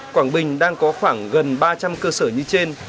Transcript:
quảng bình đang có khoảng gần ba trăm linh cơ sở như trên